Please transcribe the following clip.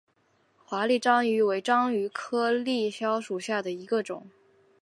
华丽章鱼为章鱼科丽蛸属下的一个种。